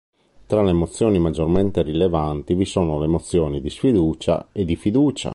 Tra le mozioni maggiormente rilevanti vi sono le mozioni di sfiducia e di fiducia.